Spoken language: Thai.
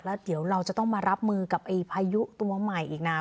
แล้วเดี๋ยวเราจะต้องมารับมือกับพายุตัวใหม่อีกนะ